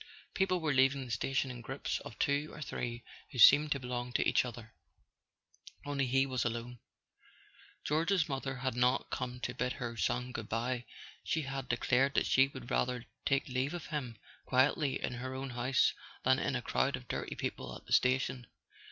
People were leaving the station in groups of two or three who seemed to belong to each other; only he was alone. George's mother had not come to bid her son goodbye; she had declared that she would rather take leave of him quietly in her own house than in a crowd of dirty people at the station.